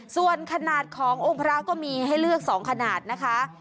ส่วนขนาดขององค์พระก็มีให้เลือก๒ขนาดนะคะ